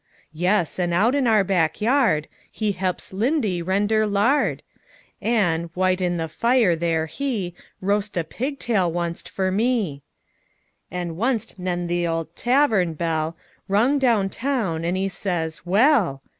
Yes, an' out in our back yard He he'ps 'Lindy rendur lard; An', wite in the fire there, he Roast' a pig tail wunst fer me. An' ist nen th'ole tavurn bell Rung, down town, an' he says "Well!